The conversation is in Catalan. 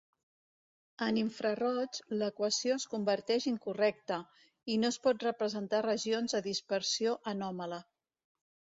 En l'infraroig, l'equació es converteix incorrecta, i no es pot representar regions de dispersió anòmala.